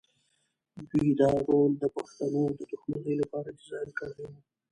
دوی دا رول د پښتنو د دښمنۍ لپاره ډیزاین کړی و.